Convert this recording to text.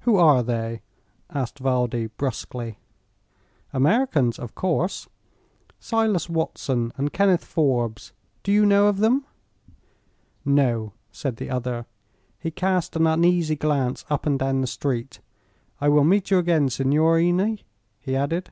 "Who are they?" asked Valdi, brusquely. "Americans, of course; Silas Watson and Kenneth Forbes. Do you know of them?" "No," said the other. He cast an uneasy glance up and down the street. "I will meet you again, signorini," he added.